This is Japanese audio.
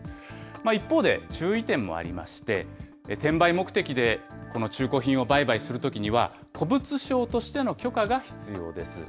一方で、注意点もありまして、転売目的で中古品を売買するときには、古物商としての許可が必要です。